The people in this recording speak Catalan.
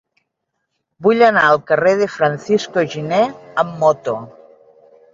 Vull anar al carrer de Francisco Giner amb moto.